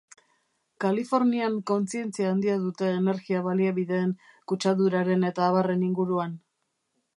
Kalifornian kontzientzia handia dute energia baliabideen, kutsaduraren eta abarren inguruan.